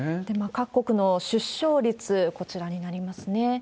各国の出生率、こちらになりますね。